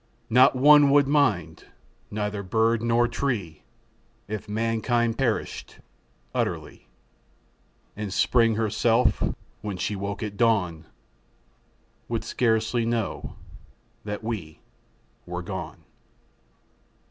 Not one would mind, neither bird nor tree If mankind perished utterly; And Spring herself, when she woke at dawn, Would scarcely know that we were gone.